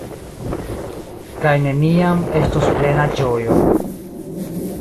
Kaj neniam estos plena ĝojo.